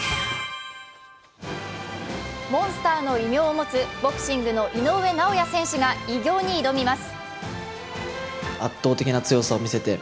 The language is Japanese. モンスターの異名を持つ、ボクシングの井上尚弥選手が偉業に挑みます。